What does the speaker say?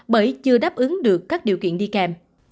bởi chưa đáp ứng được các điều kiện đi kèm